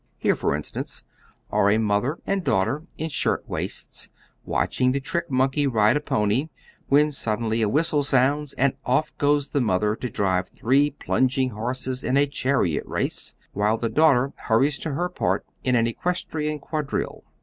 Here, for instance, are a mother and daughter, in shirt waists, watching the trick monkey ride a pony, when suddenly a whistle sounds, and off goes the mother to drive three plunging horses in a chariot race, while the daughter hurries to her part in an equestrian quadrille.